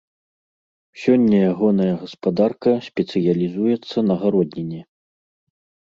Сёння ягоная гаспадарка спецыялізуецца на гародніне.